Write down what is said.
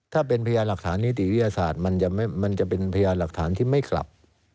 ถ้าเป็นพยานหลักฐานนิติวิทยาศาสตร์มันจะเป็นพยานหลักฐานที่ไม่กลับ